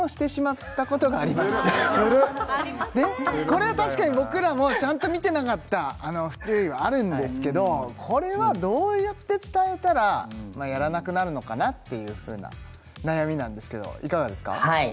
これは確かに僕らもちゃんと見てなかった不注意はあるんですけどこれはどうやって伝えたらやらなくなるのかなっていうふうな悩みなんですけどいかがですか？